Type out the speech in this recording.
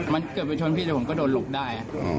มันเกือบไปชดทีผมก็โดนหลุกได้